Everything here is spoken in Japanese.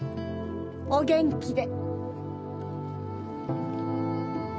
お元気で。